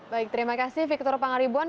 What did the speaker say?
baik terima kasih victor pangaribuan